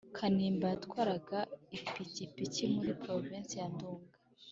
kanimba yatwaraga ipikipiki muri Provinsi ya Nduga.